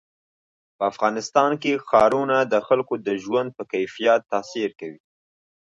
په افغانستان کې ښارونه د خلکو د ژوند په کیفیت تاثیر کوي.